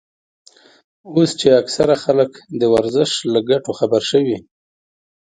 اوس چې اکثره خلک د ورزش له ګټو خبر شوي.